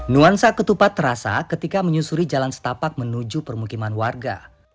nuansa ketupat terasa ketika menyusuri jalan setapak menuju permukiman warga